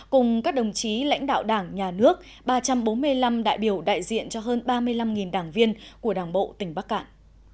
cùng các đồng chí lãnh đạo đảng nhà nước ba trăm bốn mươi năm đại biểu đại diện cho hơn ba mươi năm đảng viên của đảng bộ tỉnh bắc cạn